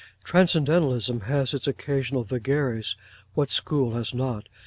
Transcendentalism has its occasional vagaries (what school has not?)